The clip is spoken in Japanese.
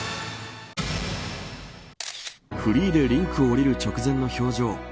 フリーでリンクを降りる直前の表情。